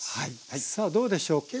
さあどうでしょう